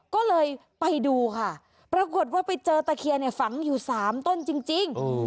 ก็เลยไปดูค่ะปรากฏว่าไปเจอตะเคียนฝังอยู่๓ต้นจริง